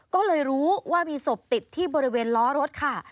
ก็เลยรู้ว่ามีศพติดที่บริเวณล้อรถค่ะ